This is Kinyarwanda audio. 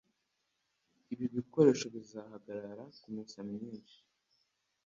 Ibi bikoresho bizahagarara kumesa myinshi.